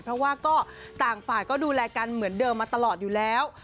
เพราะว่าก็ต่างฝ่ายก็ดูแลกันเหมือนเดิมมาตลอดอยู่แล้ว